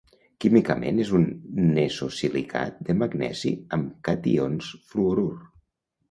Químicament és un nesosilicat de magnesi amb cations fluorur.